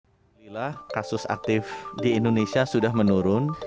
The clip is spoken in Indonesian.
alhamdulillah kasus aktif di indonesia sudah menurun